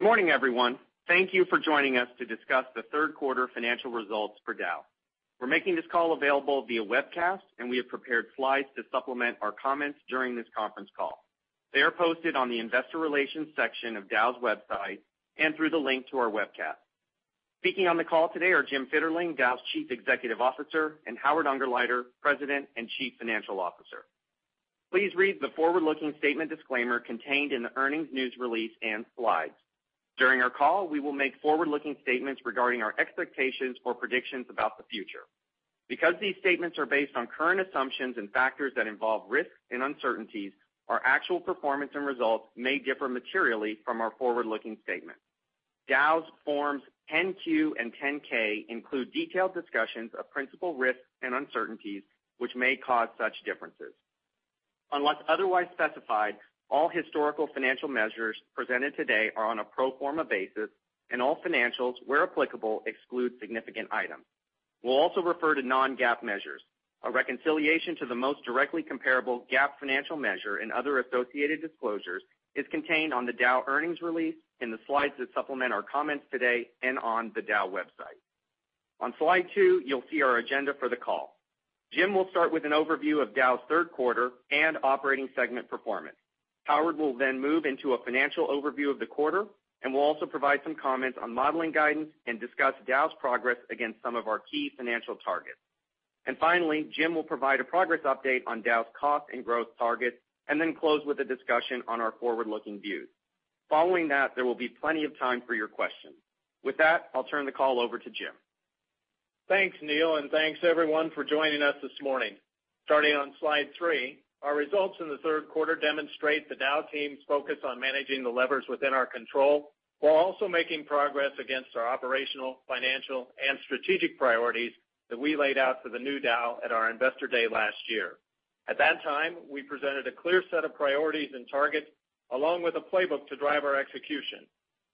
Good morning, everyone. Thank you for joining us to discuss the third quarter financial results for Dow. We're making this call available via webcast, and we have prepared slides to supplement our comments during this conference call. They are posted on the investor relations section of Dow's website and through the link to our webcast. Speaking on the call today are Jim Fitterling, Dow's Chief Executive Officer, and Howard Ungerleider, President and Chief Financial Officer. Please read the forward-looking statement disclaimer contained in the earnings news release and slides. During our call, we will make forward-looking statements regarding our expectations or predictions about the future. Because these statements are based on current assumptions and factors that involve risks and uncertainties, our actual performance and results may differ materially from our forward-looking statements. Dow's Forms 10-Q and 10-K include detailed discussions of principal risks and uncertainties, which may cause such differences. Unless otherwise specified, all historical financial measures presented today are on a pro forma basis, and all financials, where applicable, exclude significant items. We'll also refer to non-GAAP measures. A reconciliation to the most directly comparable GAAP financial measure and other associated disclosures is contained on the Dow earnings release, in the slides that supplement our comments today, and on the dow.com. On Slide two, you'll see our agenda for the call. Jim will start with an overview of Dow's third quarter and operating segment performance. Howard will move into a financial overview of the quarter and will also provide some comments on modeling guidance and discuss Dow's progress against some of our key financial targets. Finally, Jim will provide a progress update on Dow's cost and growth targets, and then close with a discussion on our forward-looking views. Following that, there will be plenty of time for your questions. With that, I'll turn the call over to Jim. Thanks, Neal, and thanks everyone for joining us this morning. Starting on Slide 3, our results in the third quarter demonstrate the Dow team's focus on managing the levers within our control while also making progress against our operational, financial, and strategic priorities that we laid out for the new Dow at our Investor Day last year. At that time, we presented a clear set of priorities and targets, along with a playbook to drive our execution.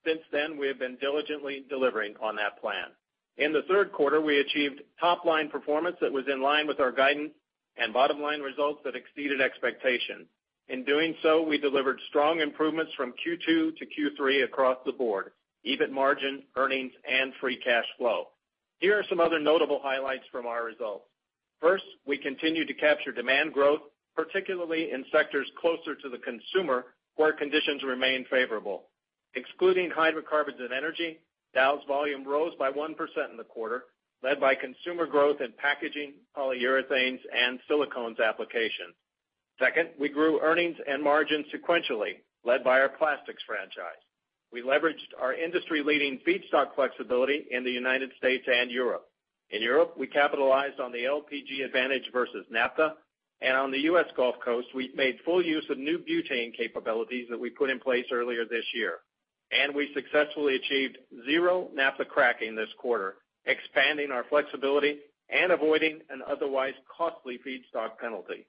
Since then, we have been diligently delivering on that plan. In the third quarter, we achieved top-line performance that was in line with our guidance and bottom-line results that exceeded expectations. In doing so, we delivered strong improvements from Q2 to Q3 across the board, EBIT margin, earnings, and free cash flow. Here are some other notable highlights from our results. First, we continue to capture demand growth, particularly in sectors closer to the consumer, where conditions remain favorable. Excluding hydrocarbons and energy, Dow's volume rose by 1% in the quarter, led by consumer growth in packaging, polyurethanes, and silicones applications. Second, we grew earnings and margins sequentially, led by our plastics franchise. We leveraged our industry-leading feedstock flexibility in the United States and Europe. In Europe, we capitalized on the LPG advantage versus Naphtha, and on the U.S. Gulf Coast, we made full use of new butane capabilities that we put in place earlier this year. We successfully achieved zero Naphtha cracking this quarter, expanding our flexibility and avoiding an otherwise costly feedstock penalty.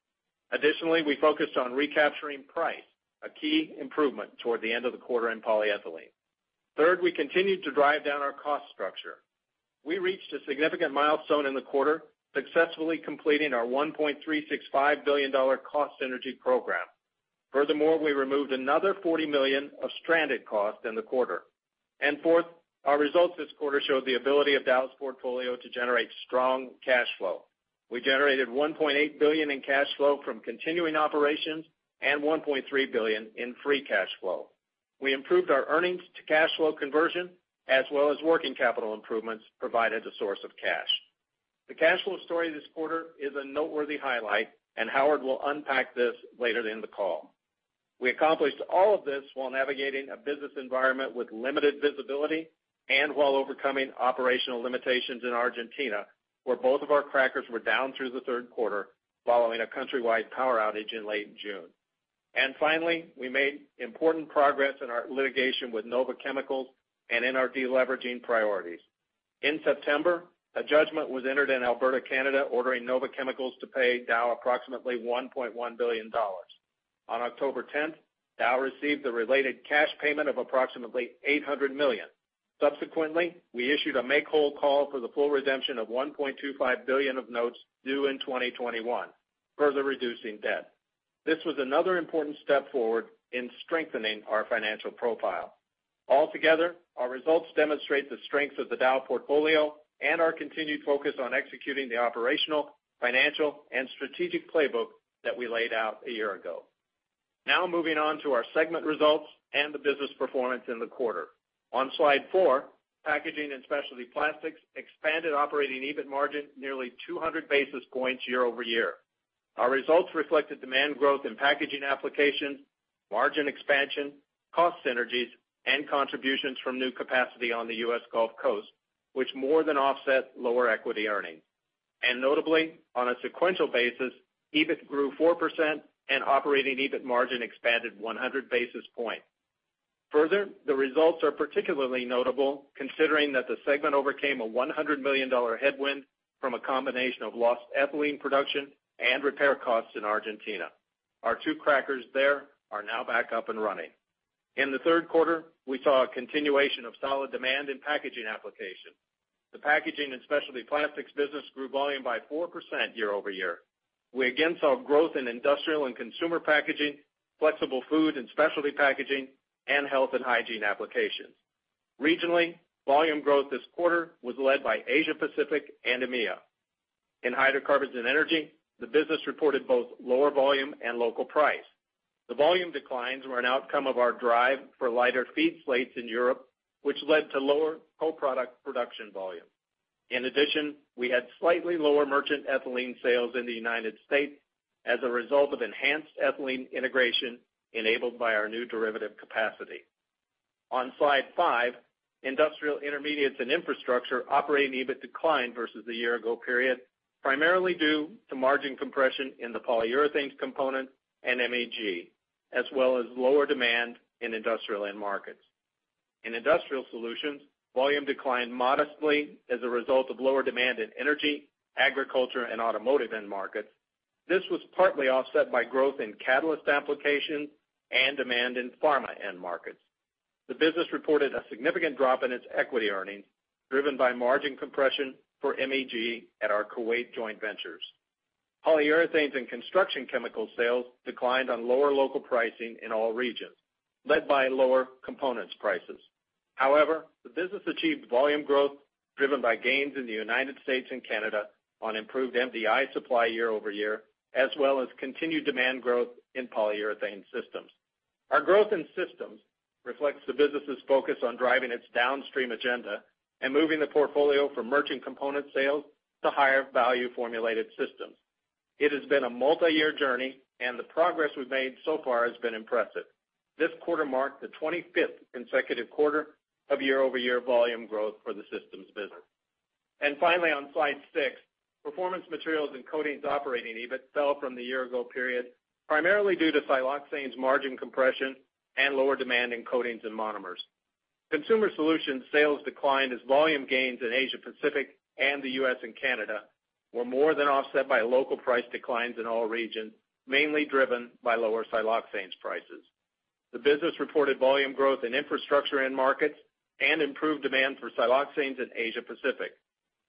Additionally, we focused on recapturing price, a key improvement toward the end of the quarter in polyethylene. Third, we continued to drive down our cost structure. We reached a significant milestone in the quarter, successfully completing our $1.365 billion cost synergy program. Furthermore, we removed another $40 million of stranded costs in the quarter. Fourth, our results this quarter showed the ability of Dow's portfolio to generate strong cash flow. We generated $1.8 billion in cash flow from continuing operations and $1.3 billion in free cash flow. We improved our earnings to cash flow conversion, as well as working capital improvements provided a source of cash. The cash flow story this quarter is a noteworthy highlight, and Howard will unpack this later in the call. We accomplished all of this while navigating a business environment with limited visibility and while overcoming operational limitations in Argentina, where both of our crackers were down through the third quarter following a countrywide power outage in late June. Finally, we made important progress in our litigation with Nova Chemicals and in our deleveraging priorities. In September, a judgment was entered in Alberta, Canada, ordering Nova Chemicals to pay Dow approximately $1.1 billion. On October 10th, Dow received the related cash payment of approximately $800 million. Subsequently, we issued a make-whole call for the full redemption of $1.25 billion of notes due in 2021, further reducing debt. This was another important step forward in strengthening our financial profile. Altogether, our results demonstrate the strength of the Dow portfolio and our continued focus on executing the operational, financial, and strategic playbook that we laid out a year ago. Now moving on to our segment results and the business performance in the quarter. On Slide 4, Packaging & Specialty Plastics expanded operating EBIT margin nearly 200 basis points year-over-year. Our results reflected demand growth in packaging applications, margin expansion, cost synergies, and contributions from new capacity on the U.S. Gulf Coast, which more than offset lower equity earnings. Notably, on a sequential basis, EBIT grew 4% and operating EBIT margin expanded 100 basis points. Further, the results are particularly notable considering that the segment overcame a $100 million headwind from a combination of lost ethylene production and repair costs in Argentina. Our two crackers there are now back up and running. In the third quarter, we saw a continuation of solid demand in packaging applications. The Packaging & Specialty Plastics business grew volume by 4% year-over-year. We again saw growth in industrial and consumer packaging, flexible food and specialty packaging, and health and hygiene applications. Regionally, volume growth this quarter was led by Asia Pacific and EMEA. In hydrocarbons and energy, the business reported both lower volume and local price. The volume declines were an outcome of our drive for lighter feed slates in Europe, which led to lower co-product production volume. In addition, we had slightly lower merchant ethylene sales in the U.S. as a result of enhanced ethylene integration enabled by our new derivative capacity. On slide five, Industrial Intermediates & Infrastructure operating EBIT declined versus the year ago period, primarily due to margin compression in the Polyurethanes component and MEG, as well as lower demand in industrial end markets. In Industrial Solutions, volume declined modestly as a result of lower demand in energy, agriculture, and automotive end markets. This was partly offset by growth in catalyst applications and demand in pharma end markets. The business reported a significant drop in its equity earnings, driven by margin compression for MEG at our Kuwait joint ventures. Polyurethanes and construction chemical sales declined on lower local pricing in all regions, led by lower components prices. However, the business achieved volume growth driven by gains in the United States and Canada on improved MDI supply year-over-year, as well as continued demand growth in polyurethane systems. Our growth in systems reflects the business' focus on driving its downstream agenda and moving the portfolio from merchant component sales to higher value formulated systems. It has been a multiyear journey, and the progress we've made so far has been impressive. This quarter marked the 25th consecutive quarter of year-over-year volume growth for the systems business. Finally, on slide six, Performance Materials & Coatings operating EBIT fell from the year-ago period, primarily due to siloxanes margin compression and lower demand in coatings and monomers. Consumer Solutions sales declined as volume gains in Asia Pacific and the U.S. and Canada were more than offset by local price declines in all regions, mainly driven by lower siloxanes prices. The business reported volume growth in infrastructure end markets and improved demand for siloxanes in Asia Pacific.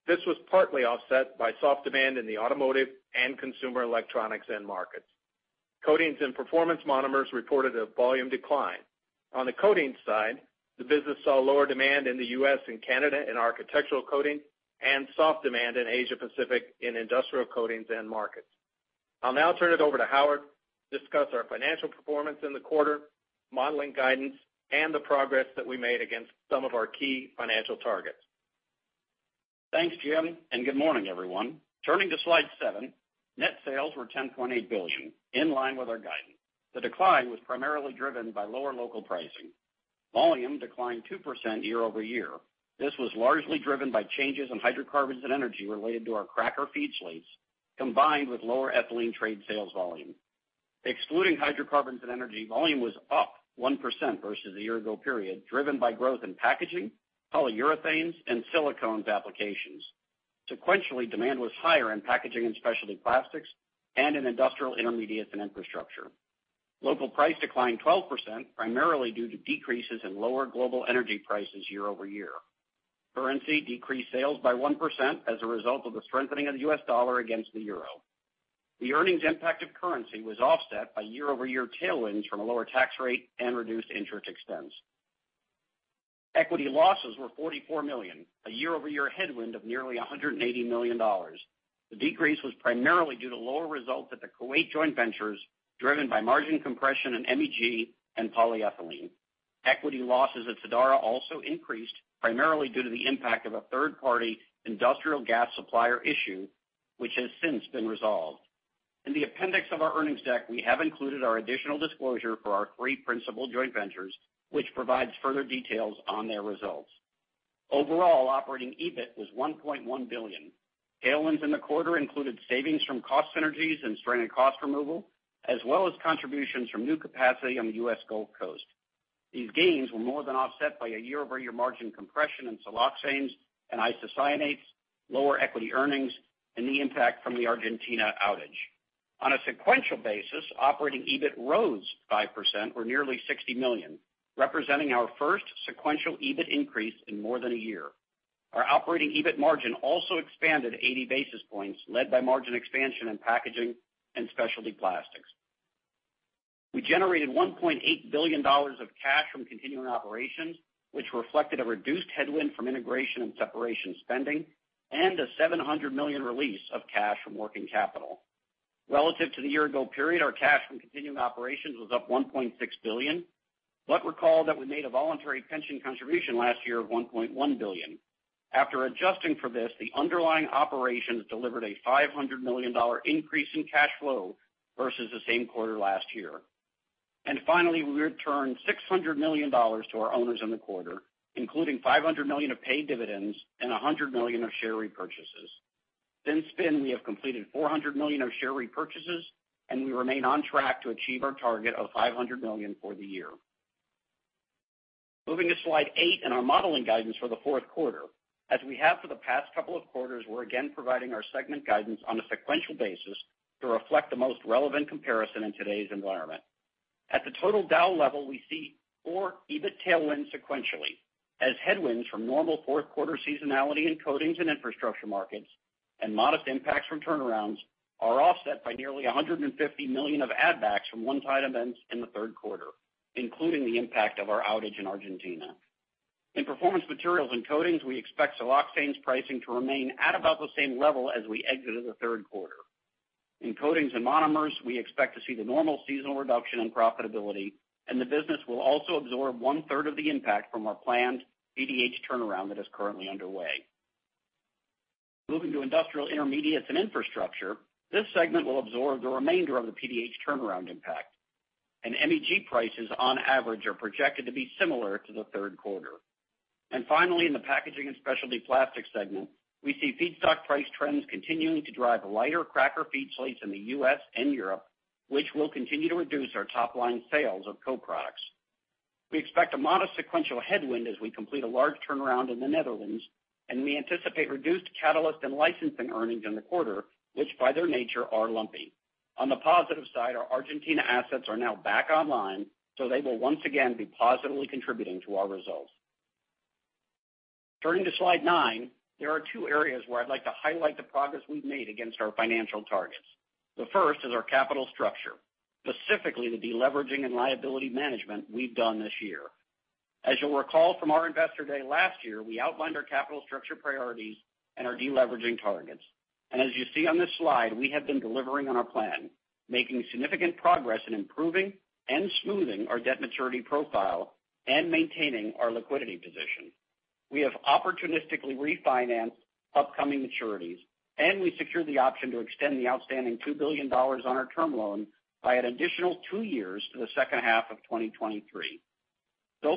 This was partly offset by soft demand in the automotive and consumer electronics end markets. Coatings & Performance Monomers reported a volume decline. On the coatings side, the business saw lower demand in the U.S. and Canada in architectural coatings and soft demand in Asia Pacific in industrial coatings end markets. I'll now turn it over to Howard to discuss our financial performance in the quarter, modeling guidance, and the progress that we made against some of our key financial targets. Thanks, Jim. Good morning, everyone. Turning to slide seven, net sales were $10.8 billion, in line with our guidance. The decline was primarily driven by lower local pricing. Volume declined 2% year-over-year. This was largely driven by changes in hydrocarbons and energy related to our cracker feed slates, combined with lower ethylene trade sales volume. Excluding hydrocarbons and energy, volume was up 1% versus the year-ago period, driven by growth in packaging, Polyurethanes, and silicones applications. Sequentially, demand was higher in Packaging & Specialty Plastics and in Industrial Intermediates & Infrastructure. Local price declined 12%, primarily due to decreases in lower global energy prices year-over-year. Currency decreased sales by 1% as a result of the strengthening of the U.S. dollar against the euro. The earnings impact of currency was offset by year-over-year tailwinds from a lower tax rate and reduced interest expense. Equity losses were $44 million, a year-over-year headwind of nearly $180 million. The decrease was primarily due to lower results at the Kuwait joint ventures, driven by margin compression in MEG and polyethylene. Equity losses at Sadara also increased, primarily due to the impact of a third-party industrial gas supplier issue, which has since been resolved. In the appendix of our earnings deck, we have included our additional disclosure for our three principal joint ventures, which provides further details on their results. Overall, operating EBIT was $1.1 billion. Tailwinds in the quarter included savings from cost synergies and stranded cost removal, as well as contributions from new capacity on the U.S. Gulf Coast. These gains were more than offset by a year-over-year margin compression in siloxanes and isocyanates, lower equity earnings, and the impact from the Argentina outage. On a sequential basis, operating EBIT rose 5%, or nearly $60 million, representing our first sequential EBIT increase in more than a year. Our operating EBIT margin also expanded 80 basis points, led by margin expansion in Packaging & Specialty Plastics. We generated $1.8 billion of cash from continuing operations, which reflected a reduced headwind from integration and separation spending and a $700 million release of cash from working capital. Relative to the year-ago period, our cash from continuing operations was up $1.6 billion. Recall that we made a voluntary pension contribution last year of $1.1 billion. After adjusting for this, the underlying operations delivered a $500 million increase in cash flow versus the same quarter last year. Finally, we returned $600 million to our owners in the quarter, including $500 million of paid dividends and $100 million of share repurchases. Since then, we have completed $400 million of share repurchases. We remain on track to achieve our target of $500 million for the year. Moving to slide eight and our modeling guidance for the fourth quarter. As we have for the past couple of quarters, we're again providing our segment guidance on a sequential basis to reflect the most relevant comparison in today's environment. At the total Dow level, we see four EBIT tailwinds sequentially, as headwinds from normal fourth quarter seasonality in Coatings and infrastructure markets and modest impacts from turnarounds are offset by nearly $150 million of add backs from one-time events in the third quarter, including the impact of our outage in Argentina. In Performance Materials & Coatings, we expect siloxanes pricing to remain at about the same level as we exited the third quarter. In Coatings & Monomers, we expect to see the normal seasonal reduction in profitability, and the business will also absorb one-third of the impact from our planned PDH turnaround that is currently underway. Moving to Industrial Intermediates & Infrastructure, this segment will absorb the remainder of the PDH turnaround impact, and MEG prices on average are projected to be similar to the third quarter. Finally, in the Packaging & Specialty Plastics segment, we see feedstock price trends continuing to drive lighter cracker feed slates in the U.S. and Europe, which will continue to reduce our top-line sales of co-products. We expect a modest sequential headwind as we complete a large turnaround in the Netherlands, and we anticipate reduced catalyst and licensing earnings in the quarter, which by their nature are lumpy. On the positive side, our Argentina assets are now back online, so they will once again be positively contributing to our results. Turning to slide nine, there are two areas where I'd like to highlight the progress we've made against our financial targets. The first is our capital structure, specifically the deleveraging and liability management we've done this year. As you'll recall from our investor day last year, we outlined our capital structure priorities and our deleveraging targets. As you see on this slide, we have been delivering on our plan, making significant progress in improving and smoothing our debt maturity profile and maintaining our liquidity position. We have opportunistically refinanced upcoming maturities, and we secured the option to extend the outstanding $2 billion on our term loan by an additional two years to the second half of 2023.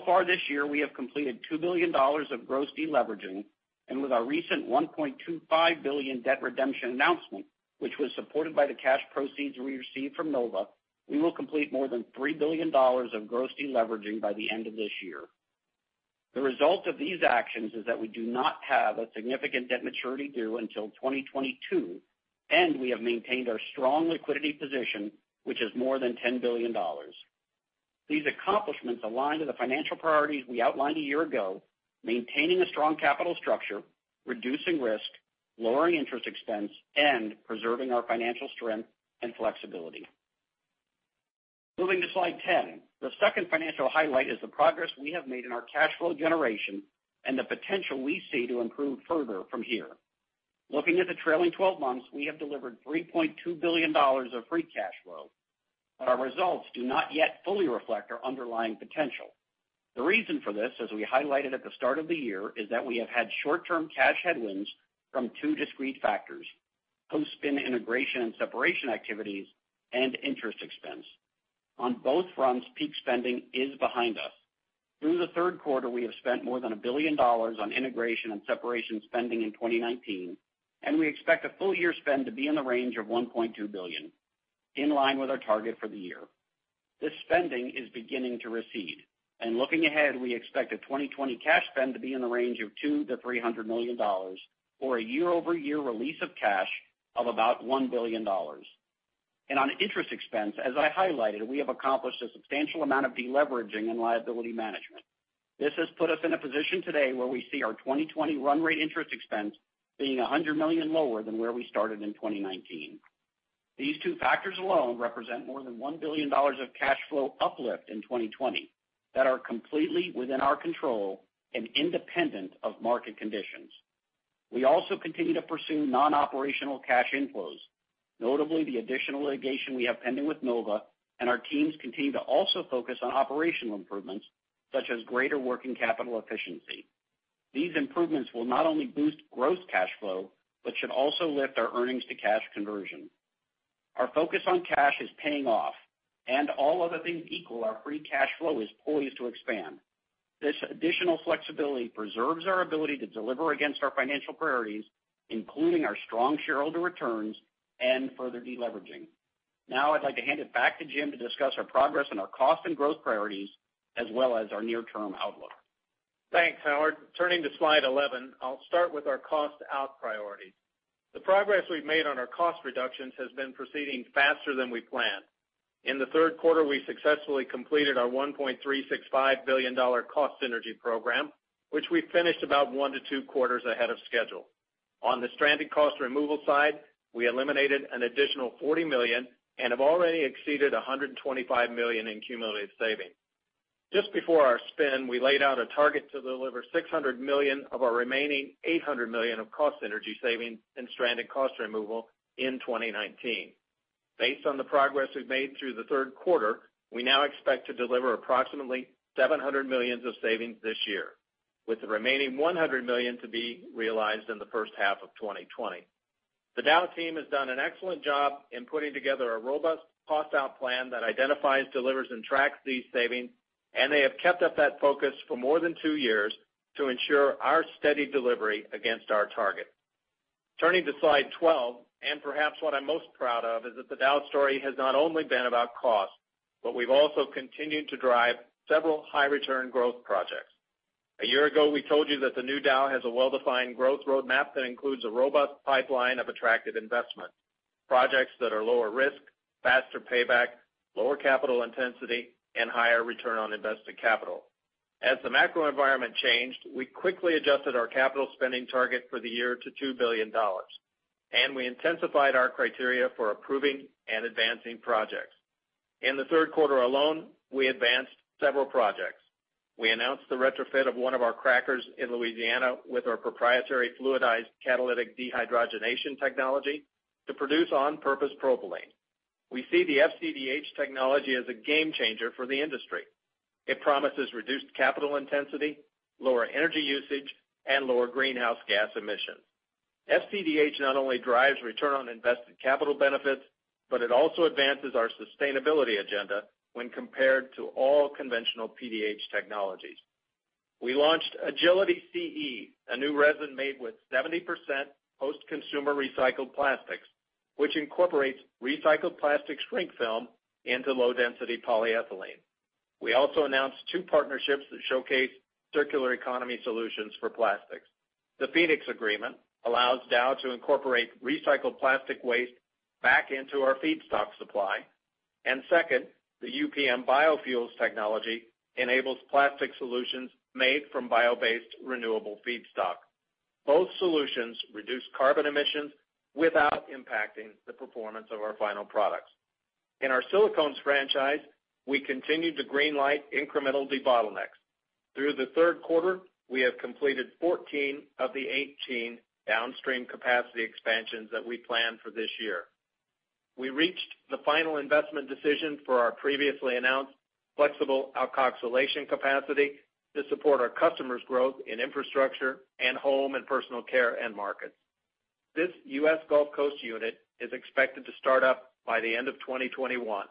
Far this year, we have completed $2 billion of gross deleveraging, and with our recent $1.25 billion debt redemption announcement, which was supported by the cash proceeds we received from Nova, we will complete more than $3 billion of gross deleveraging by the end of this year. The result of these actions is that we do not have a significant debt maturity due until 2022, and we have maintained our strong liquidity position, which is more than $10 billion. These accomplishments align to the financial priorities we outlined a year ago, maintaining a strong capital structure, reducing risk, lowering interest expense, and preserving our financial strength and flexibility. Moving to slide 10. The second financial highlight is the progress we have made in our cash flow generation and the potential we see to improve further from here. Looking at the trailing 12 months, we have delivered $3.2 billion of free cash flow, but our results do not yet fully reflect our underlying potential. The reason for this, as we highlighted at the start of the year, is that we have had short-term cash headwinds from two discrete factors, post-spin integration and separation activities, and interest expense. On both fronts, peak spending is behind us. Through the third quarter, we have spent more than $1 billion on integration and separation spending in 2019, and we expect a full-year spend to be in the range of $1.2 billion, in line with our target for the year. This spending is beginning to recede, and looking ahead, we expect a 2020 cash spend to be in the range of $200 million-$300 million or a year-over-year release of cash of about $1 billion. On interest expense, as I highlighted, we have accomplished a substantial amount of deleveraging and liability management. This has put us in a position today where we see our 2020 run rate interest expense being $100 million lower than where we started in 2019. These two factors alone represent more than $1 billion of cash flow uplift in 2020 that are completely within our control and independent of market conditions. We also continue to pursue non-operational cash inflows, notably the additional litigation we have pending with Nova, and our teams continue to also focus on operational improvements such as greater working capital efficiency. These improvements will not only boost gross cash flow but should also lift our earnings to cash conversion. Our focus on cash is paying off, and all other things equal, our free cash flow is poised to expand. This additional flexibility preserves our ability to deliver against our financial priorities, including our strong shareholder returns and further deleveraging. Now, I'd like to hand it back to Jim to discuss our progress on our cost and growth priorities as well as our near-term outlook. Thanks, Howard. Turning to slide 11, I'll start with our cost out priority. The progress we've made on our cost reductions has been proceeding faster than we planned. In the third quarter, we successfully completed our $1.365 billion cost synergy program, which we finished about one to two quarters ahead of schedule. On the stranded cost removal side, we eliminated an additional $40 million and have already exceeded $125 million in cumulative savings. Just before our spin, we laid out a target to deliver $600 million of our remaining $800 million of cost synergy savings in stranded cost removal in 2019. Based on the progress we've made through the third quarter, we now expect to deliver approximately $700 million of savings this year, with the remaining $100 million to be realized in the first half of 2020. The Dow team has done an excellent job in putting together a robust cost-out plan that identifies, delivers, and tracks these savings, and they have kept up that focus for more than two years to ensure our steady delivery against our target. Turning to slide 12, perhaps what I'm most proud of is that the Dow story has not only been about cost, but we've also continued to drive several high-return growth projects. A year ago, we told you that the new Dow has a well-defined growth roadmap that includes a robust pipeline of attractive investment. Projects that are lower risk, faster payback, lower capital intensity, and higher return on invested capital. As the macro environment changed, we quickly adjusted our capital spending target for the year to $2 billion. We intensified our criteria for approving and advancing projects. In the third quarter alone, we advanced several projects. We announced the retrofit of one of our crackers in Louisiana with our proprietary fluidized catalytic dehydrogenation technology to produce on-purpose propylene. We see the FCDH technology as a game changer for the industry. It promises reduced capital intensity, lower energy usage, and lower greenhouse gas emissions. FCDH not only drives return on invested capital benefits, but it also advances our sustainability agenda when compared to all conventional PDH technologies. We launched AGILITY CE, a new resin made with 70% post-consumer recycled plastics, which incorporates recycled plastic shrink film into low-density polyethylene. We also announced two partnerships that showcase circular economy solutions for plastics. The Phoenix Agreement allows Dow to incorporate recycled plastic waste back into our feedstock supply. Second, the UPM Biofuels technology enables plastic solutions made from bio-based renewable feedstock. Both solutions reduce carbon emissions without impacting the performance of our final products. In our silicones franchise, we continued to greenlight incremental debottlenecks. Through the third quarter, we have completed 14 of the 18 downstream capacity expansions that we planned for this year. We reached the final investment decision for our previously announced flexible alkoxylation capacity to support our customers' growth in infrastructure and home and personal care end markets. This U.S. Gulf Coast unit is expected to start up by the end of 2021.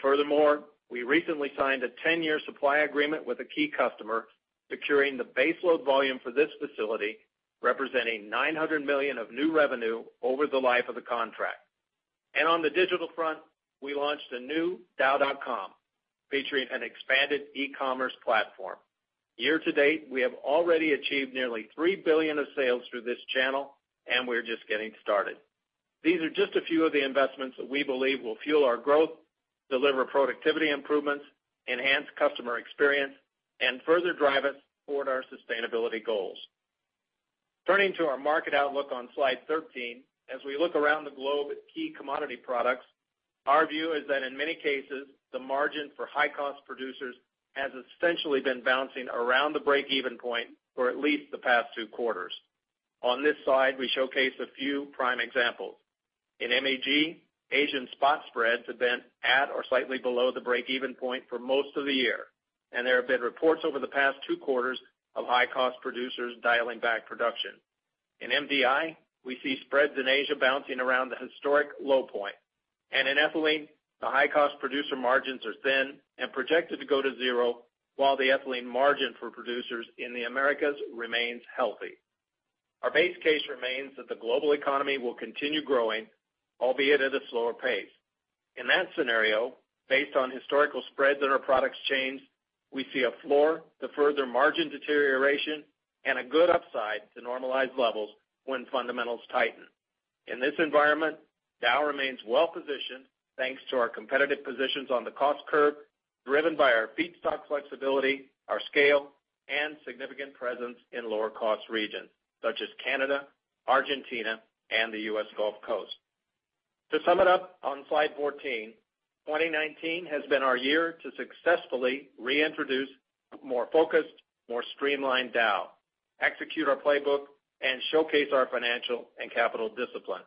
Furthermore, we recently signed a 10-year supply agreement with a key customer, securing the baseload volume for this facility, representing $900 million of new revenue over the life of the contract. On the digital front, we launched the new dow.com, featuring an expanded e-commerce platform. Year to date, we have already achieved nearly $3 billion of sales through this channel, and we're just getting started. These are just a few of the investments that we believe will fuel our growth, deliver productivity improvements, enhance customer experience, and further drive us toward our sustainability goals. Turning to our market outlook on slide 13, as we look around the globe at key commodity products, our view is that in many cases, the margin for high-cost producers has essentially been bouncing around the break-even point for at least the past two quarters. On this slide, we showcase a few prime examples. In MEG, Asian spot spreads have been at or slightly below the break-even point for most of the year, and there have been reports over the past two quarters of high-cost producers dialing back production. In MDI, we see spreads in Asia bouncing around the historic low point. In ethylene, the high-cost producer margins are thin and projected to go to zero, while the ethylene margin for producers in the Americas remains healthy. Our base case remains that the global economy will continue growing, albeit at a slower pace. In that scenario, based on historical spreads in our products chains, we see a floor to further margin deterioration and a good upside to normalized levels when fundamentals tighten. In this environment, Dow remains well-positioned thanks to our competitive positions on the cost curve, driven by our feedstock flexibility, our scale, and significant presence in lower-cost regions, such as Canada, Argentina, and the U.S. Gulf Coast. To sum it up on slide 14, 2019 has been our year to successfully reintroduce a more focused, more streamlined Dow, execute our playbook, and showcase our financial and capital discipline.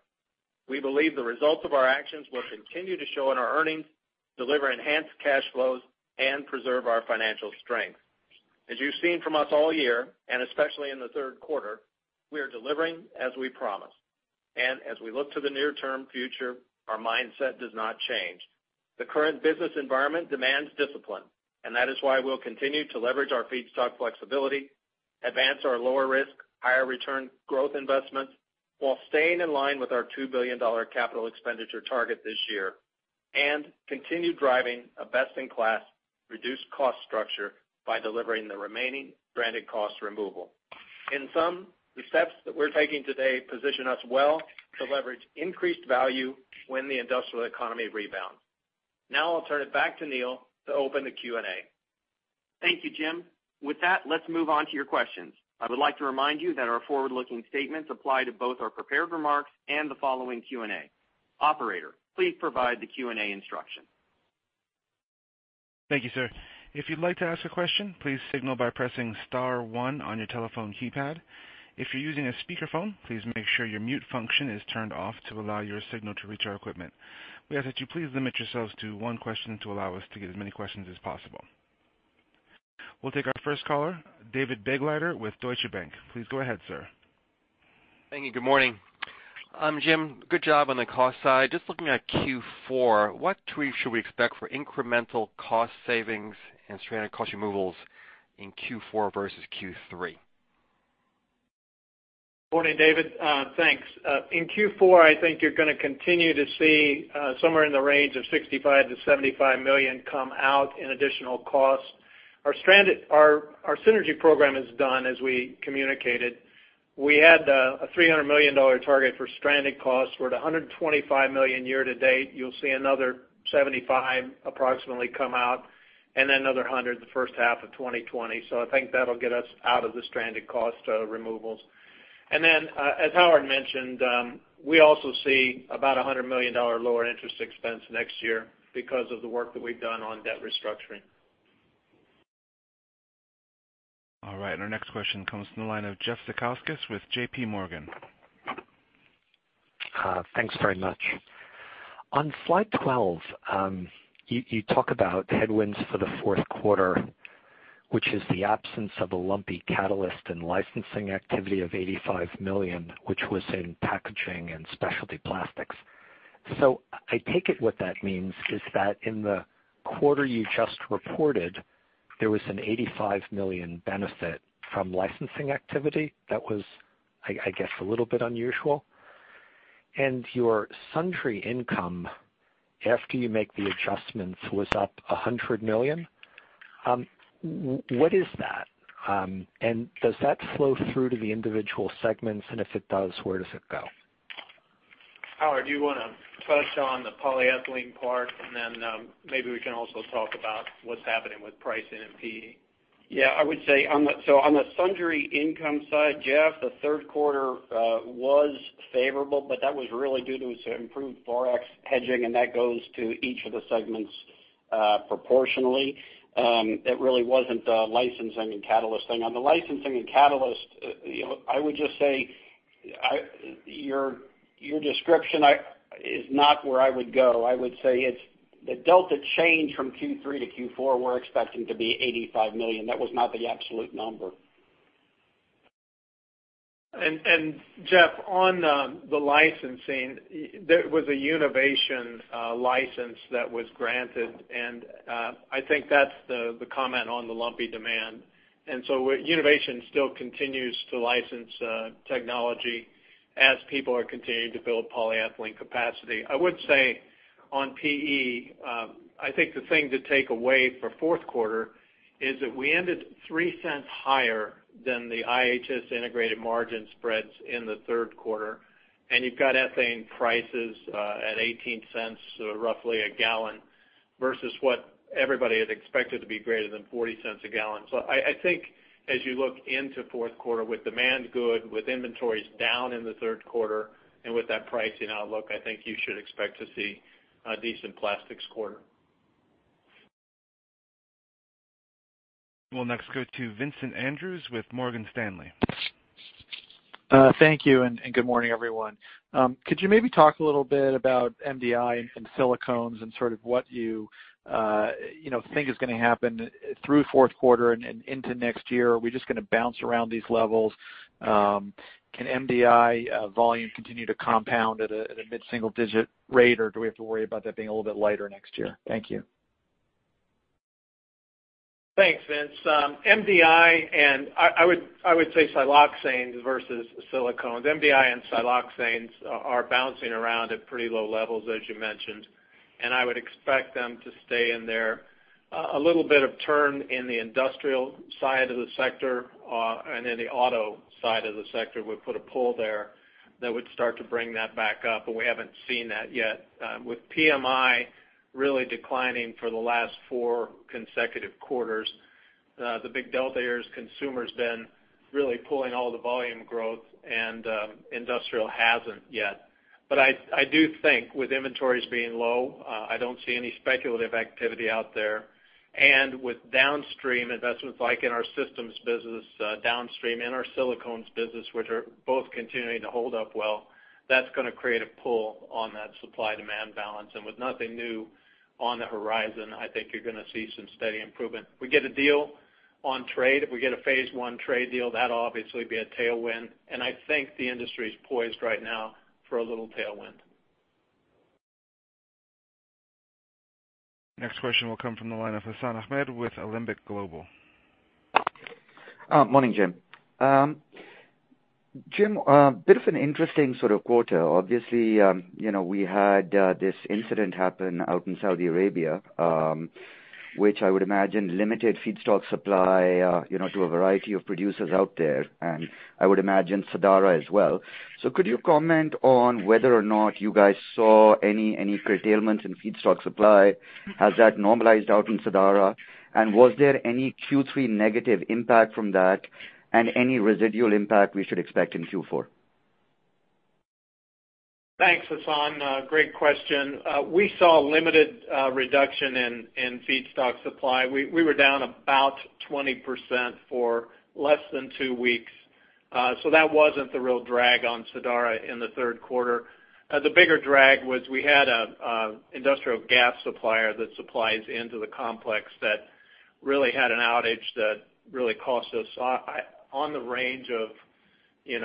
We believe the results of our actions will continue to show in our earnings, deliver enhanced cash flows, and preserve our financial strength. As you've seen from us all year, especially in the third quarter, we are delivering as we promised. As we look to the near-term future, our mindset does not change. The current business environment demands discipline, that is why we'll continue to leverage our feedstock flexibility, advance our lower risk, higher return growth investments while staying in line with our $2 billion CapEx target this year, and continue driving a best-in-class reduced cost structure by delivering the remaining stranded cost removal. In sum, the steps that we're taking today position us well to leverage increased value when the industrial economy rebounds. Now I'll turn it back to Neal to open the Q&A. Thank you, Jim. With that, let's move on to your questions. I would like to remind you that our forward-looking statements apply to both our prepared remarks and the following Q&A. Operator, please provide the Q&A instruction. Thank you, sir. If you'd like to ask a question, please signal by pressing *1 on your telephone keypad. If you're using a speakerphone, please make sure your mute function is turned off to allow your signal to reach our equipment. We ask that you please limit yourselves to one question to allow us to get as many questions as possible. We'll take our first caller, David Begleiter with Deutsche Bank. Please go ahead, sir. Thank you. Good morning. Jim, good job on the cost side. Just looking at Q4, what should we expect for incremental cost savings and stranded cost removals in Q4 versus Q3? Morning, David. Thanks. In Q4, I think you're going to continue to see somewhere in the range of $65-$75 million come out in additional costs. Our synergy program is done, as we communicated. We had a $300 million target for stranded costs. We're at $125 million year to date. You'll see another $75 approximately come out, and then another $100 the first half of 2020. I think that'll get us out of the stranded cost removals. As Howard mentioned, we also see about $100 million lower interest expense next year because of the work that we've done on debt restructuring. All right. Our next question comes from the line of Jeff Zekauskas with JPMorgan. Thanks very much. On slide 12, you talk about headwinds for the fourth quarter, which is the absence of a lumpy catalyst and licensing activity of $85 million, which was in Packaging & Specialty Plastics. I take it what that means is that in the quarter you just reported, there was an $85 million benefit from licensing activity that was, I guess, a little bit unusual. Your sundry income, after you make the adjustments, was up $100 million. What is that? Does that flow through to the individual segments, and if it does, where does it go? Howard, do you want to touch on the polyethylene part, and then maybe we can also talk about what's happening with pricing in PE? Yeah, I would say, on the sundry income side, Jeff, the third quarter was favorable. That was really due to some improved Forex hedging. That goes to each of the segments proportionally. It really wasn't a licensing and catalyst thing. On the licensing and catalyst, I would just say your description is not where I would go. I would say the delta change from Q3 to Q4, we're expecting to be $85 million. That was not the absolute number. Jeff, on the licensing, there was a Univation license that was granted, and I think that's the comment on the lumpy demand. Univation still continues to license technology as people are continuing to build polyethylene capacity. I would say on PE, I think the thing to take away for fourth quarter is that we ended $0.03 higher than the IHS integrated margin spreads in the third quarter. You've got ethane prices at $0.18, roughly a gallon, versus what everybody had expected to be greater than $0.40 a gallon. I think as you look into fourth quarter with demand good, with inventories down in the third quarter, and with that pricing outlook, I think you should expect to see a decent plastics quarter. We'll next go to Vincent Andrews with Morgan Stanley. Thank you, good morning, everyone. Could you maybe talk a little bit about MDI and silicones and sort of what you think is going to happen through fourth quarter and into next year? Are we just going to bounce around these levels? Can MDI volume continue to compound at a mid-single digit rate, or do we have to worry about that being a little bit lighter next year? Thank you. Thanks, Vince. MDI and I would say siloxanes versus silicones. MDI and siloxanes are bouncing around at pretty low levels, as you mentioned, and I would expect them to stay in there. A little bit of turn in the industrial side of the sector and in the auto side of the sector would put a pull there that would start to bring that back up, but we haven't seen that yet. With PMI really declining for the last four consecutive quarters, the big delta here is consumer's been really pulling all the volume growth and industrial hasn't yet. I do think with inventories being low, I don't see any speculative activity out there. With downstream investments like in our systems business downstream, in our silicones business, which are both continuing to hold up well, that's going to create a pull on that supply-demand balance. With nothing new on the horizon, I think you're going to see some steady improvement. We get a deal on trade. If we get a phase 1 trade deal, that obviously would be a tailwind, and I think the industry's poised right now for a little tailwind. Next question will come from the line of Hassan Ahmed with Alembic Global. Morning, Jim. Bit of an interesting sort of quarter. Obviously, we had this incident happen out in Saudi Arabia, which I would imagine limited feedstock supply to a variety of producers out there, and I would imagine Sadara as well. Could you comment on whether or not you guys saw any curtailments in feedstock supply? Has that normalized out in Sadara? Was there any Q3 negative impact from that and any residual impact we should expect in Q4? Thanks, Hassan. Great question. We saw limited reduction in feedstock supply. We were down about 20% for less than two weeks. That wasn't the real drag on Sadara in the third quarter. The bigger drag was we had an industrial gas supplier that supplies into the complex that really had an outage that really cost us on the range of $10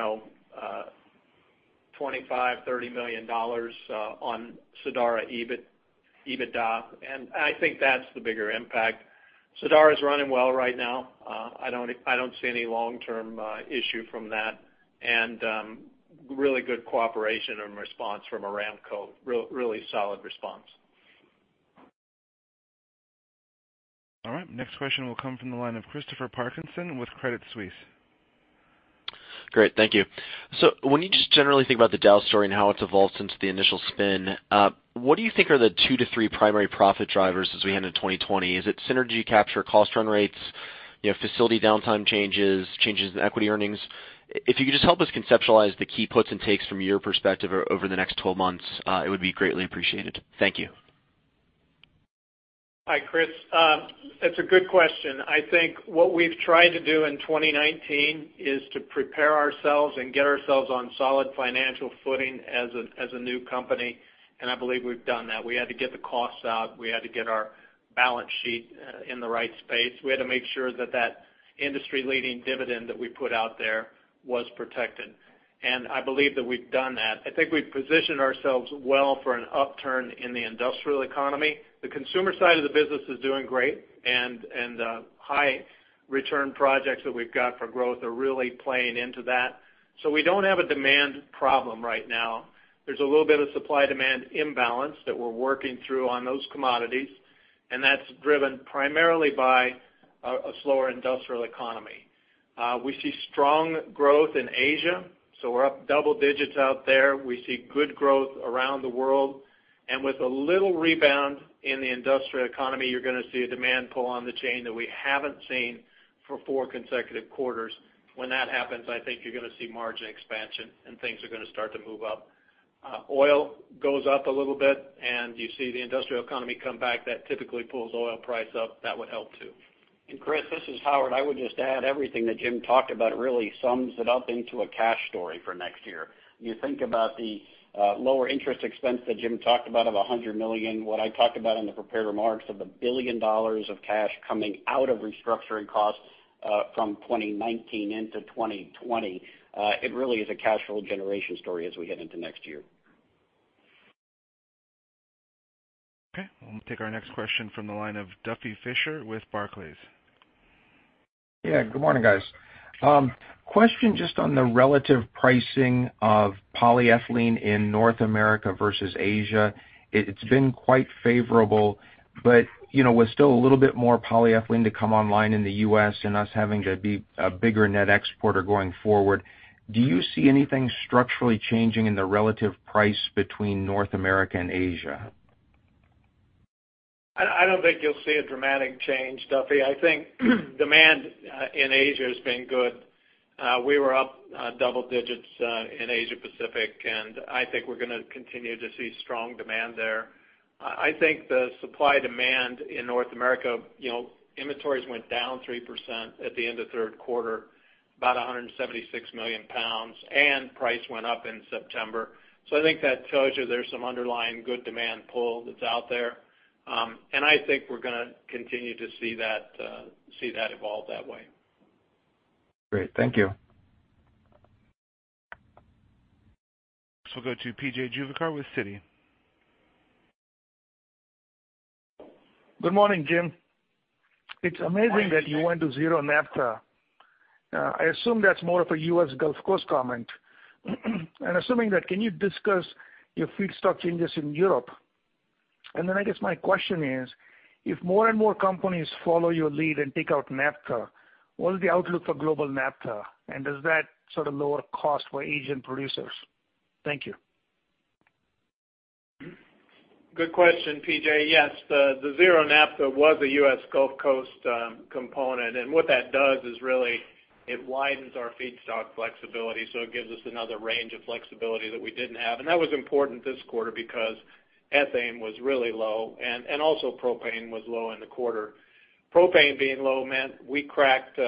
million-$25 million, $30 million on Sadara EBITDA. I think that's the bigger impact. Sadara's running well right now. I don't see any long-term issue from that. Really good cooperation and response from Aramco. Really solid response. All right. Next question will come from the line of Christopher Parkinson with Credit Suisse. Great. Thank you. When you just generally think about the Dow story and how it's evolved since the initial spin, what do you think are the two to three primary profit drivers as we head into 2020? Is it synergy capture, cost run rates, facility downtime changes in equity earnings? If you could just help us conceptualize the key puts and takes from your perspective over the next 12 months, it would be greatly appreciated. Thank you. Hi, Chris. That's a good question. I think what we've tried to do in 2019 is to prepare ourselves and get ourselves on solid financial footing as a new company, and I believe we've done that. We had to get the costs out. We had to get our balance sheet in the right space. We had to make sure that that industry-leading dividend that we put out there was protected. I believe that we've done that. I think we've positioned ourselves well for an upturn in the industrial economy. The consumer side of the business is doing great, and the high return projects that we've got for growth are really playing into that. We don't have a demand problem right now. There's a little bit of supply-demand imbalance that we're working through on those commodities, and that's driven primarily by a slower industrial economy. We see strong growth in Asia. We're up double digits out there. We see good growth around the world. With a little rebound in the industrial economy, you're going to see a demand pull on the chain that we haven't seen for 4 consecutive quarters. When that happens, I think you're going to see margin expansion and things are going to start to move up. Oil goes up a little bit, and you see the industrial economy come back. That typically pulls oil price up. That would help, too. Chris, this is Howard. I would just add everything that Jim talked about really sums it up into a cash story for next year. You think about the lower interest expense that Jim talked about of $100 million, what I talked about in the prepared remarks of the $1 billion of cash coming out of restructuring costs from 2019 into 2020. It really is a cash flow generation story as we head into next year. Okay. We'll take our next question from the line of Duffy Fischer with Barclays. Yeah. Good morning, guys. Question just on the relative pricing of polyethylene in North America versus Asia. It's been quite favorable, but with still a little bit more polyethylene to come online in the U.S. and us having to be a bigger net exporter going forward, do you see anything structurally changing in the relative price between North America and Asia? I don't think you'll see a dramatic change, Duffy. I think demand in Asia has been good. We were up double digits in Asia Pacific. I think we're going to continue to see strong demand there. I think the supply-demand in North America, inventories went down 3% at the end of third quarter, about 176 million pounds. Price went up in September. I think that tells you there's some underlying good demand pull that's out there. I think we're going to continue to see that evolve that way. Great. Thank you. Next we'll go to P.J. Juvekar with Citi. Good morning, Jim. It's amazing that you went to zero naphtha. I assume that's more of a U.S. Gulf Coast comment. Assuming that, can you discuss your feedstock changes in Europe? I guess my question is, if more and more companies follow your lead and take out naphtha, what is the outlook for global naphtha? Does that sort of lower cost for Asian producers? Thank you. Good question, P.J. Yes, the zero naphtha was a U.S. Gulf Coast component, what that does is really it widens our feedstock flexibility. It gives us another range of flexibility that we didn't have. That was important this quarter because ethane was really low and also propane was low in the quarter. Propane being low meant we cracked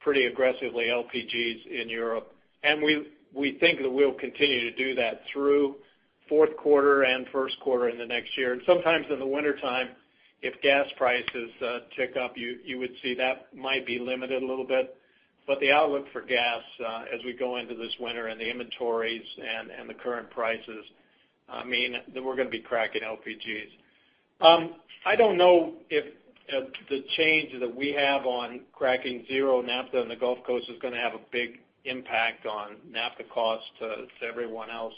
pretty aggressively LPGs in Europe. We think that we'll continue to do that through fourth quarter and first quarter in the next year. Sometimes in the wintertime, if gas prices tick up, you would see that might be limited a little bit. The outlook for gas as we go into this winter and the inventories and the current prices mean that we're going to be cracking LPGs. I don't know if the change that we have on cracking zero naphtha in the Gulf Coast is going to have a big impact on naphtha cost to everyone else.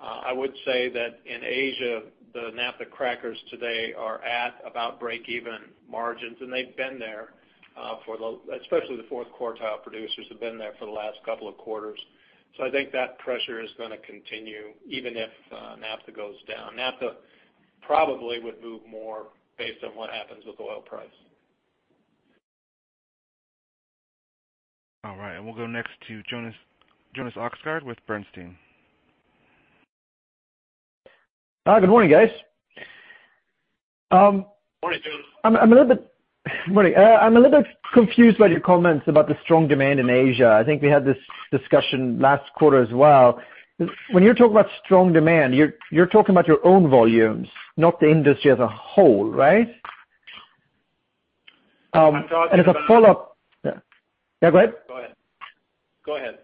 I would say that in Asia, the naphtha crackers today are at about break-even margins, and they've been there, especially the fourth quartile producers, have been there for the last couple of quarters. I think that pressure is going to continue, even if naphtha goes down. Naphtha probably would move more based on what happens with oil price. All right. We'll go next to Jonas Oxgaard with Bernstein. Hi, good morning, guys. Morning, Jonas. Morning. I'm a little bit confused by your comments about the strong demand in Asia. I think we had this discussion last quarter as well. When you're talking about strong demand, you're talking about your own volumes, not the industry as a whole, right? Yeah. Yeah, go ahead. Go ahead. Go ahead.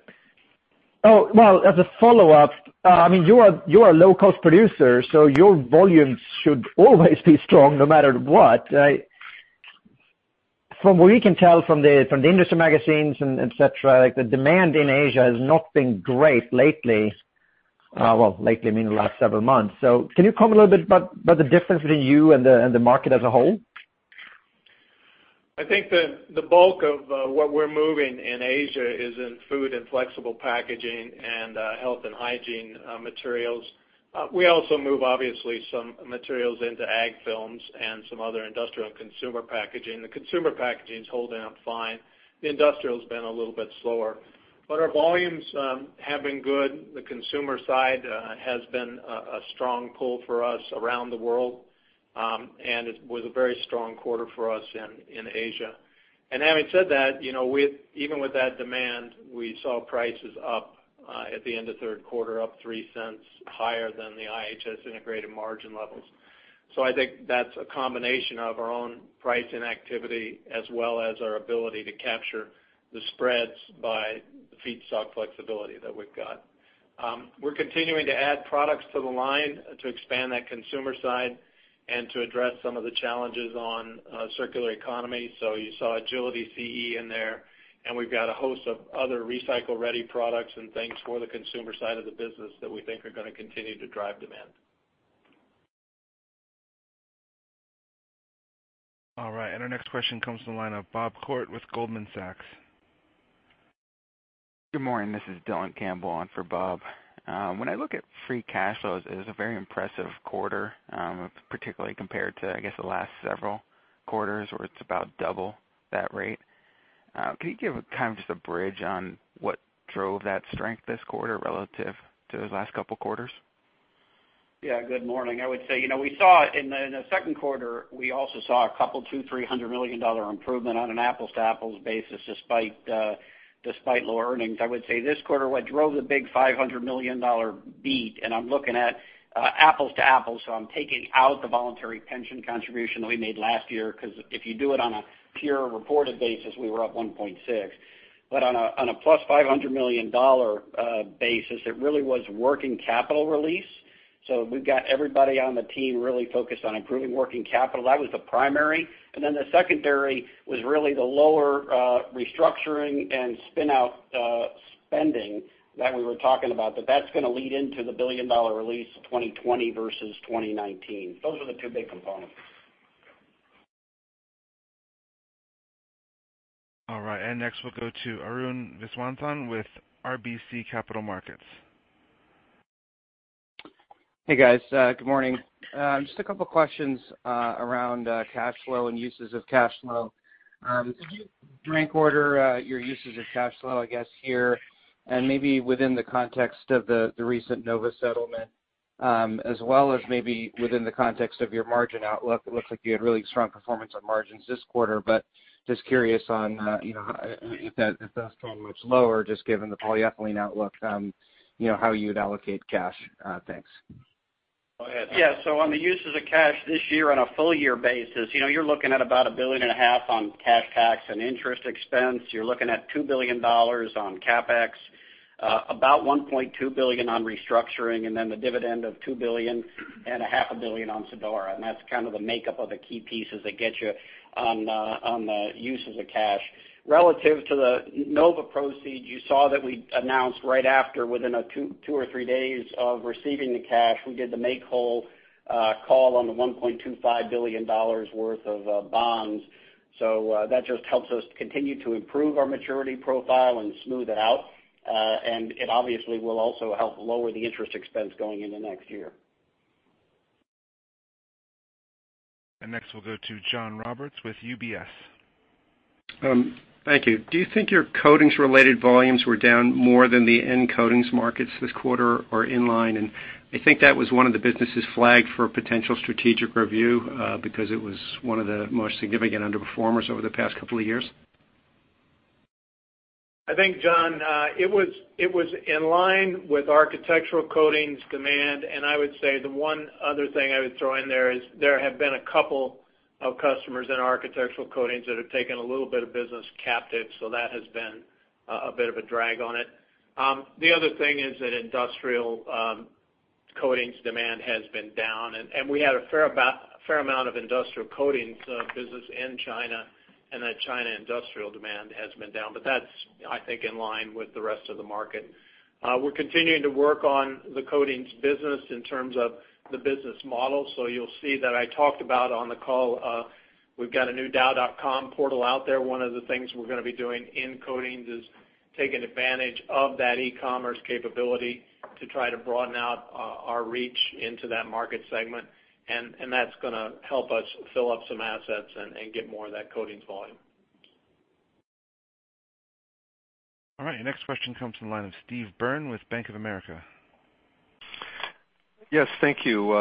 Oh, well, as a follow-up, you are a low-cost producer, so your volumes should always be strong no matter what. From what we can tell from the industry magazines and et cetera, the demand in Asia has not been great lately. Well, lately, I mean the last several months. Can you comment a little bit about the difference between you and the market as a whole? I think that the bulk of what we're moving in Asia is in food and flexible packaging and health and hygiene materials. We also move, obviously, some materials into ag films and some other industrial and consumer packaging. The consumer packaging's holding up fine. The industrial's been a little bit slower. Our volumes have been good. The consumer side has been a strong pull for us around the world. It was a very strong quarter for us in Asia. Having said that, even with that demand, we saw prices up at the end of third quarter, up $0.03 higher than the IHS integrated margin levels. I think that's a combination of our own pricing activity, as well as our ability to capture the spreads by the feedstock flexibility that we've got. We're continuing to add products to the line to expand that consumer side and to address some of the challenges on circular economy. You saw AGILITY CE in there, and we've got a host of other recycle-ready products and things for the consumer side of the business that we think are going to continue to drive demand. All right, our next question comes from the line of Bob Koort with Goldman Sachs. Good morning, this is Dylan Campbell on for Bob. When I look at free cash flows, it is a very impressive quarter, particularly compared to, I guess, the last several quarters where it's about double that rate. Could you give kind of just a bridge on what drove that strength this quarter relative to the last couple of quarters? Yeah. Good morning. I would say, in the second quarter, we also saw a couple, two, $300 million improvement on an apples-to-apples basis despite lower earnings. I would say this quarter what drove the big $500 million beat, I'm looking at apples-to-apples, I'm taking out the voluntary pension contribution that we made last year, because if you do it on a pure reported basis, we were up 1.6. On a +$500 million basis, it really was working capital release. We've got everybody on the team really focused on improving working capital. That was the primary. The secondary was really the lower restructuring and spin-out spending that we were talking about. That's going to lead into the billion-dollar release of 2020 versus 2019. Those are the two big components. All right. Next, we'll go to Arun Viswanathan with RBC Capital Markets. Hey, guys. Good morning. Just a couple of questions around cash flow and uses of cash flow. Could you rank order your uses of cash flow, I guess, here, and maybe within the context of the recent Nova settlement as well as maybe within the context of your margin outlook? It looks like you had really strong performance on margins this quarter, but just curious on if that's probably much lower just given the polyethylene outlook, how you would allocate cash. Thanks. Go ahead. On the uses of cash this year on a full-year basis, you're looking at about $a billion and a half on cash tax and interest expense. You're looking at $2 billion on CapEx, about $1.2 billion on restructuring, the dividend of $2 billion and $a half a billion on Sadara. That's kind of the makeup of the key pieces that get you on the uses of cash. Relative to the Nova proceeds, you saw that we announced right after, within two or three days of receiving the cash, we did the make-whole call on the $1.25 billion worth of bonds. That just helps us continue to improve our maturity profile and smooth it out. It obviously will also help lower the interest expense going into next year. Next, we'll go to John Roberts with UBS. Thank you. Do you think your coatings-related volumes were down more than the end coatings markets this quarter or in line? I think that was one of the businesses flagged for potential strategic review because it was one of the most significant underperformers over the past couple of years. I think, John, it was in line with architectural coatings demand, and I would say the one other thing I would throw in there is there have been a couple of customers in architectural coatings that have taken a little bit of business captive. That has been a bit of a drag on it. The other thing is that industrial coatings demand has been down, and we had a fair amount of industrial coatings business in China, and that China industrial demand has been down, but that's, I think, in line with the rest of the market. We're continuing to work on the coatings business in terms of the business model. You'll see that I talked about on the call, we've got a new dow.com portal out there. One of the things we're going to be doing in coatings is taking advantage of that e-commerce capability to try to broaden out our reach into that market segment, and that's going to help us fill up some assets and get more of that coatings volume. All right. Our next question comes from the line of Steve Byrne with Bank of America. Yes. Thank you.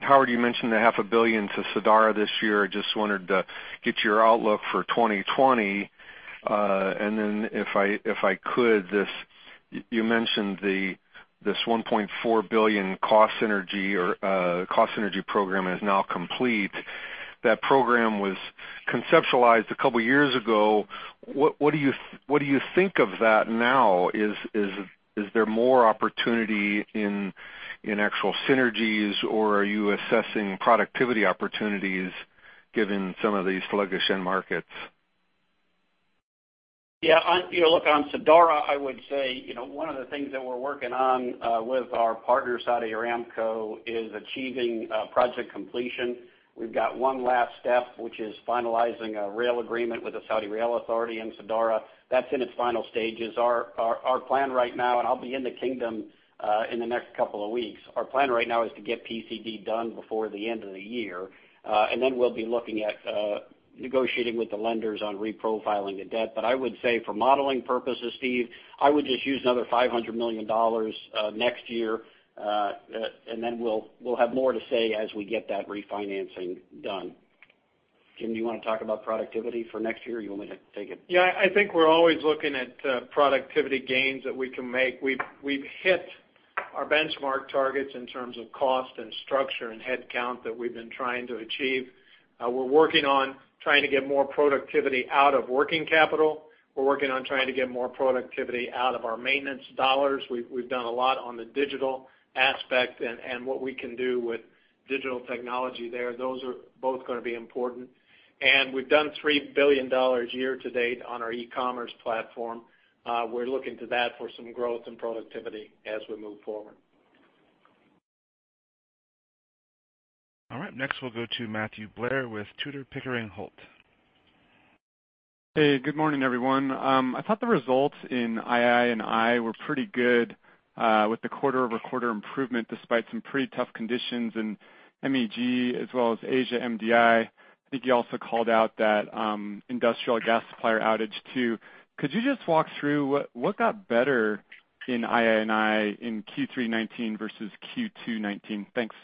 Howard, you mentioned the half a billion to Sadara this year. I just wanted to get your outlook for 2020. Then if I could, you mentioned this $1.4 billion cost synergy program is now complete. That program was conceptualized a couple years ago. What do you think of that now? Is there more opportunity in actual synergies, or are you assessing productivity opportunities given some of these sluggish end markets? Look, on Sadara, I would say, one of the things that we're working on with our partner, Saudi Aramco, is achieving project completion. We've got one last step, which is finalizing a rail agreement with the Saudi Arabia Railways and Sadara. That's in its final stages. Our plan right now, I'll be in the Kingdom in the next couple of weeks. Our plan right now is to get PCD done before the end of the year. Then we'll be looking at negotiating with the lenders on reprofiling the debt. I would say for modeling purposes, Steve, I would just use another $500 million next year, then we'll have more to say as we get that refinancing done. Jim, do you want to talk about productivity for next year, or you want me to take it? Yeah, I think we're always looking at productivity gains that we can make. We've hit our benchmark targets in terms of cost and structure and headcount that we've been trying to achieve. We're working on trying to get more productivity out of working capital. We're working on trying to get more productivity out of our maintenance dollars. We've done a lot on the digital aspect and what we can do with digital technology there. Those are both going to be important. We've done $3 billion year to date on our e-commerce platform. We're looking to that for some growth and productivity as we move forward. All right. Next, we'll go to Matthew Blair with Tudor, Pickering Holt. Hey, good morning, everyone. I thought the results in II&I were pretty good with the quarter-over-quarter improvement despite some pretty tough conditions in MEG as well as Asia MDI. I think you also called out that industrial gas supplier outage too. Could you just walk through what got better in II&I in Q3 2019 versus Q2 2019? Thanks.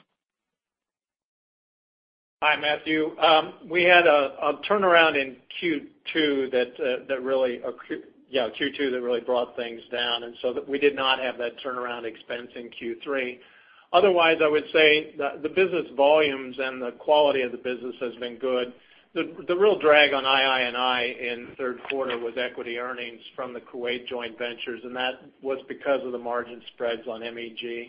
Hi, Matthew. We had a turnaround in Q2 that really brought things down. We did not have that turnaround expense in Q3. Otherwise, I would say the business volumes and the quality of the business has been good. The real drag on II&I in the third quarter was equity earnings from the Kuwait joint ventures. That was because of the margin spreads on MEG.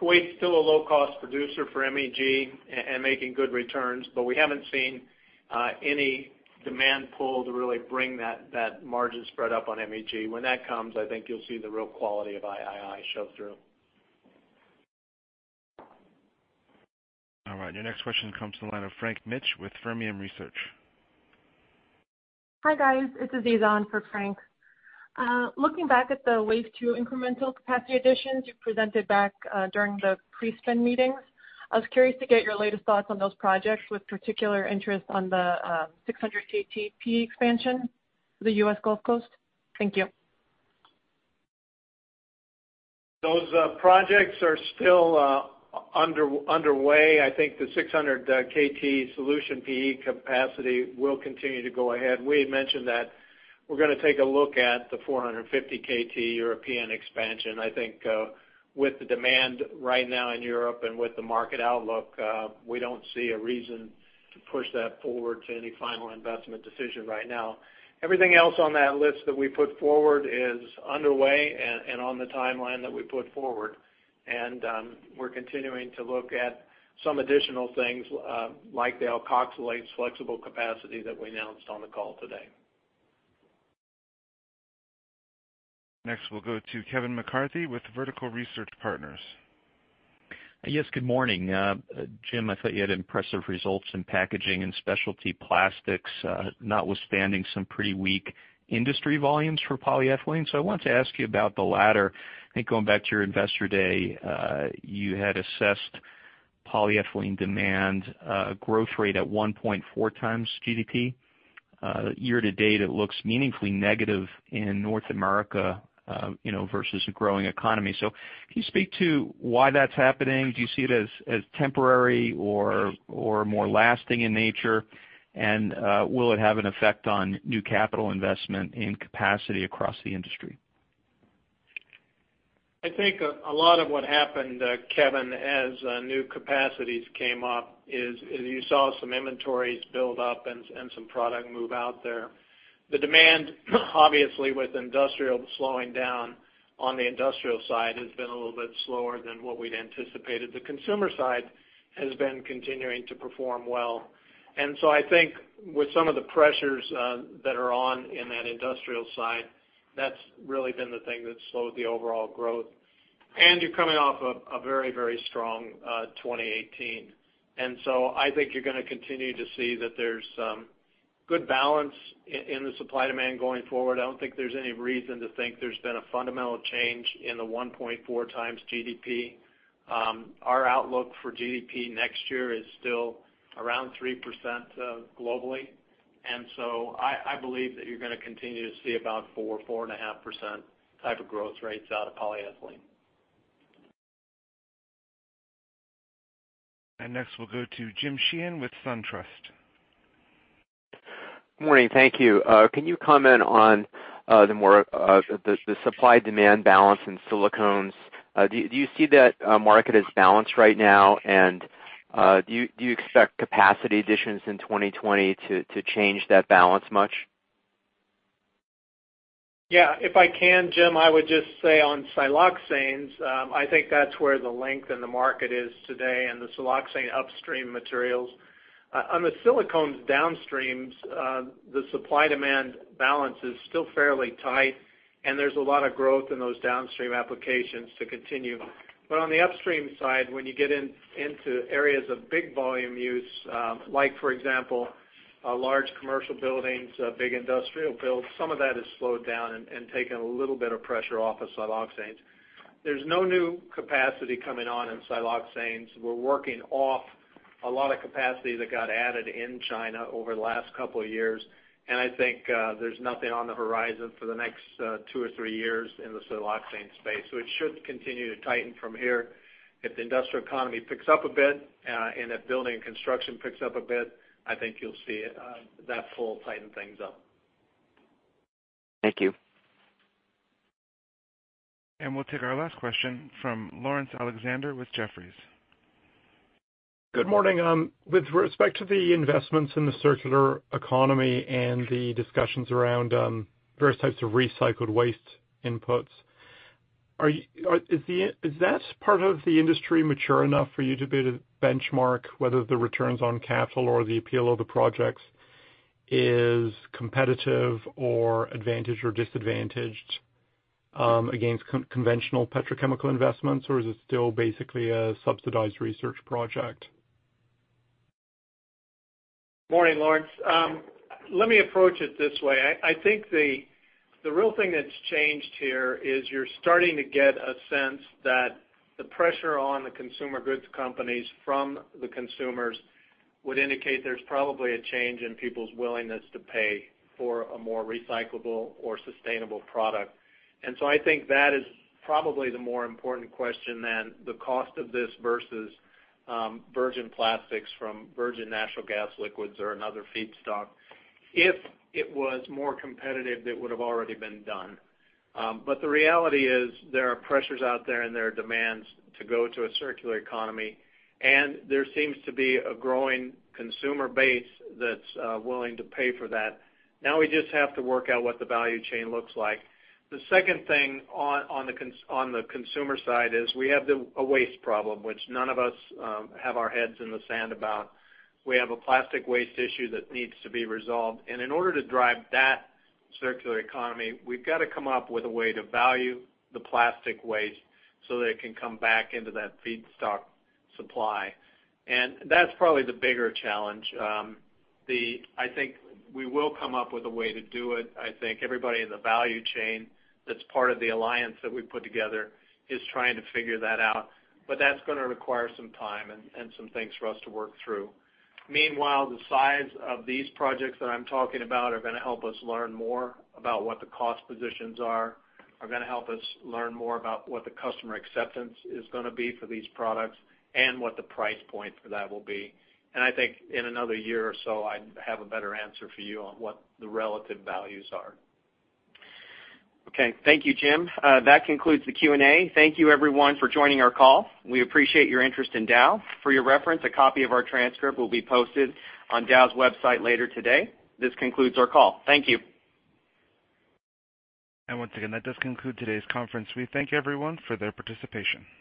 Kuwait's still a low-cost producer for MEG and making good returns. We haven't seen any demand pull to really bring that margin spread up on MEG. When that comes, I think you'll see the real quality of II show through. All right. Your next question comes to the line of Frank Mitsch with Fermium Research. Hi, guys. It's Aziza on for Frank Mitsch. Looking back at the wave two incremental capacity additions you presented back during the pre-spend meetings, I was curious to get your latest thoughts on those projects with particular interest on the 600 KT PE expansion for the U.S. Gulf Coast. Thank you. Those projects are still underway. I think the 600 KT solution PE capacity will continue to go ahead. We had mentioned that we're going to take a look at the 450 KT European expansion. I think with the demand right now in Europe and with the market outlook, we don't see a reason to push that forward to any final investment decision right now. Everything else on that list that we put forward is underway and on the timeline that we put forward. We're continuing to look at some additional things like the alkoxylates flexible capacity that we announced on the call today. Next, we'll go to Kevin McCarthy with Vertical Research Partners. Yes, good morning. Jim, I thought you had impressive results in Packaging & Specialty Plastics notwithstanding some pretty weak industry volumes for polyethylene. I wanted to ask you about the latter. I think going back to your Investor Day, you had assessed polyethylene demand growth rate at 1.4 times GDP. Year to date, it looks meaningfully negative in North America versus a growing economy. Can you speak to why that's happening? Do you see it as temporary or more lasting in nature? Will it have an effect on new capital investment in capacity across the industry? I think a lot of what happened, Kevin, as new capacities came up is you saw some inventories build up and some product move out there. The demand, obviously, with industrial slowing down on the industrial side, has been a little bit slower than what we'd anticipated. The consumer side has been continuing to perform well. I think with some of the pressures that are on in that industrial side, that's really been the thing that slowed the overall growth. You're coming off a very strong 2018. I think you're going to continue to see that there's some good balance in the supply-demand going forward. I don't think there's any reason to think there's been a fundamental change in the 1.4 times GDP. Our outlook for GDP next year is still around 3% globally. I believe that you're going to continue to see about 4%-4.5% type of growth rates out of polyethylene. Next, we'll go to Jim Sheehan with SunTrust. Morning. Thank you. Can you comment on the supply-demand balance in silicones? Do you see that market as balanced right now, and do you expect capacity additions in 2020 to change that balance much? If I can, Jim, I would just say on siloxanes, I think that's where the length in the market is today in the siloxane upstream materials. On the silicones downstreams, the supply-demand balance is still fairly tight, and there's a lot of growth in those downstream applications to continue. On the upstream side, when you get into areas of big volume use, like for example, large commercial buildings, big industrial builds, some of that has slowed down and taken a little bit of pressure off of siloxanes. There's no new capacity coming on in siloxanes. We're working off a lot of capacity that got added in China over the last couple of years, and I think there's nothing on the horizon for the next two or three years in the siloxane space. It should continue to tighten from here. If the industrial economy picks up a bit, and if building and construction picks up a bit, I think you'll see that pull tighten things up. Thank you. We'll take our last question from Laurence Alexander with Jefferies. Good morning. With respect to the investments in the circular economy and the discussions around various types of recycled waste inputs, is that part of the industry mature enough for you to be able to benchmark whether the returns on capital or the appeal of the projects is competitive or advantaged or disadvantaged against conventional petrochemical investments? Is it still basically a subsidized research project? Morning, Laurence. Let me approach it this way. I think the real thing that's changed here is you're starting to get a sense that the pressure on the consumer goods companies from the consumers would indicate there's probably a change in people's willingness to pay for a more recyclable or sustainable product. I think that is probably the more important question than the cost of this versus virgin plastics from virgin natural gas liquids or another feedstock. If it was more competitive, it would've already been done. The reality is there are pressures out there and there are demands to go to a circular economy, and there seems to be a growing consumer base that's willing to pay for that. Now we just have to work out what the value chain looks like. The second thing on the consumer side is we have a waste problem, which none of us have our heads in the sand about. We have a plastic waste issue that needs to be resolved. In order to drive that circular economy, we've got to come up with a way to value the plastic waste so that it can come back into that feedstock supply. That's probably the bigger challenge. I think we will come up with a way to do it. I think everybody in the value chain that's part of the alliance that we've put together is trying to figure that out, but that's going to require some time and some things for us to work through. Meanwhile, the size of these projects that I'm talking about are going to help us learn more about what the cost positions are going to help us learn more about what the customer acceptance is going to be for these products, and what the price point for that will be. I think in another year or so, I'd have a better answer for you on what the relative values are. Okay. Thank you, Jim. That concludes the Q&A. Thank you everyone for joining our call. We appreciate your interest in Dow. For your reference, a copy of our transcript will be posted on Dow's website later today. This concludes our call. Thank you. Once again, that does conclude today's conference. We thank everyone for their participation.